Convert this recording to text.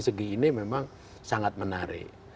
segi ini memang sangat menarik